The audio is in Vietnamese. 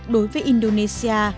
đối với indonesia